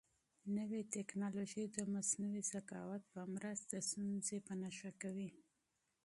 نوې تکنالوژي د مصنوعي ذکاوت په مرسته ستونزې په نښه کوي.